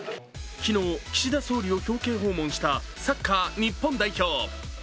昨日、岸田総理を表見訪問したサッカー日本代表。